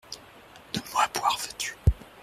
Donne-moi à boire, veux-tu ?